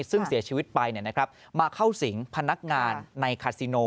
ซึ่งเสียชีวิตไปมาเข้าสิงพนักงานในคาซิโน